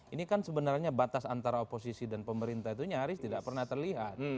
ini kan sebenarnya batas antara oposisi dan pemerintah itu nyaris tidak pernah terlihat